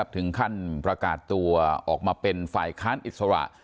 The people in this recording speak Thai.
ถึงขั้นประกาศตัวออกมาเป็นฝ่ายค้านอิสระ